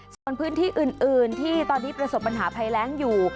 ส่วนพื้นที่อื่นที่ตอนนี้ประสบปัญหาภัยแรงอยู่